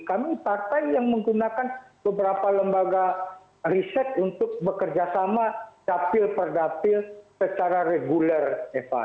kami partai yang menggunakan beberapa lembaga riset untuk bekerjasama capil perdapil secara reguler eva